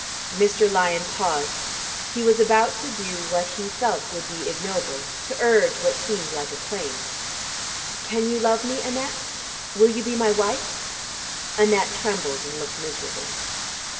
Mr. Lyon paused: he was about to do what he felt would be ignoble to urge what seemed like a claim. "Can you love me, Annette? Will you be my wife?" Annette trembled and looked miserable.